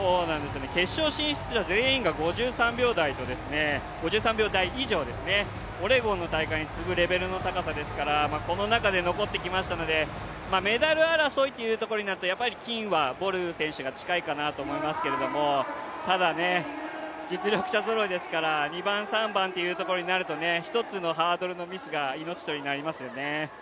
決勝進出者全員が５３秒台以上、オレゴンの大会に次ぐレベルの高さですからこの中で残ってきましたので、メダル争いというところになるとやっぱり金はボル選手が近いかなと思いますけれども、ただ、実力者ぞろいですから２番、３番というところになると一つのハードルのミスが命取りになりますよね。